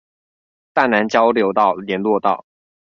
大湳交流道聯絡道